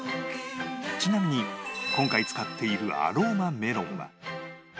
ちなみに今回使っているアローマメロンは